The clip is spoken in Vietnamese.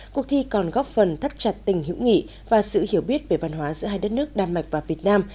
cuộc thi còn góp phần thắt chặt tình hữu nghị và sự hiểu biết về văn hóa giữa hai đất nước đan mạch và việt nam